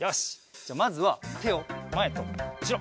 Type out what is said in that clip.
じゃまずはてをまえとうしろ！